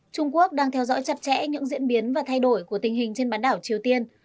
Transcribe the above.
trung quốc đang theo dõi chặt chẽ những diễn biến và thay đổi của tình hình trên bán đảo triều tiên